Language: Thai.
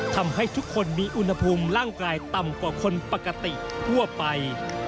ทำให้ทุกคนมีอุณหภูมิร่างกายต่ำกว่าคนปกติทั่วไป